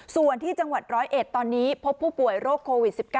ส่วนที่จังหวัด๑๐๑ตอนนี้พบผู้ป่วยโรคโควิด๑๙